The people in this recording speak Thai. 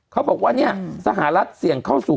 เขาบอกว่าเนี่ยสหรัฐเสี่ยงเข้าสู่